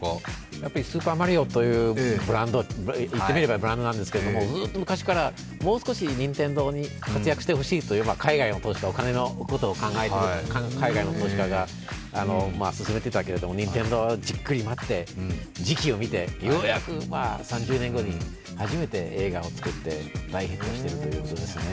やっぱり「スーパーマリオ」というブランドなんですけどずっと昔から、もう少し任天堂に活躍してほしいという海外の投資家がお金のことを考えて進めていたけれども、任天堂はじっくり待って時期をみて、ようやく３０年後に初めて映画を作って大ヒットしているということですね。